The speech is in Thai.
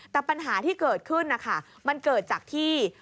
แต่ปัญหาที่เกิดขึ้นนะคะมันเกิดจากที่